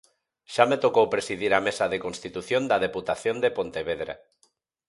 Xa me tocou presidir a mesa de constitución da Deputación de Pontevedra.